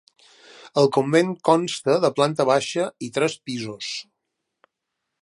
El convent consta de planta baixa i tres pisos.